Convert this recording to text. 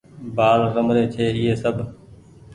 بآل رمري ڇي ايئي سب ۔